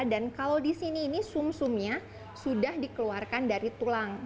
dan kalau disini ini sum sumnya sudah dikeluarkan dari tulang